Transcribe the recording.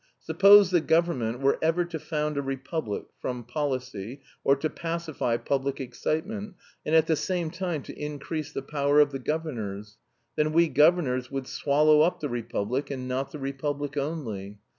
Suppose the government were ever to found a republic, from policy, or to pacify public excitement, and at the same time to increase the power of the governors, then we governors would swallow up the republic; and not the republic only.